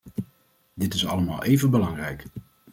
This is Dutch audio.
Dit is allemaal even belangrijk.